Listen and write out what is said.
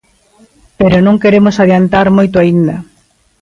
Pero non queremos adiantar moito aínda.